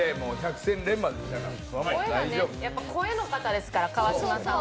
声がね、声の方ですから、川島さんは。